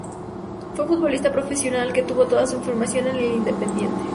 Fue futbolista profesional que tuvo toda su formación en el Independiente.